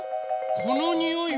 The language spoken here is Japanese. このにおいは。